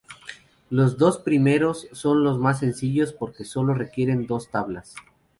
Los dos primeros son los más sencillos porque sólo requieren dos tablas.